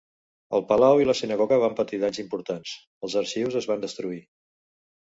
El palau i la sinagoga van patir danys importants, els arxius es van destruir.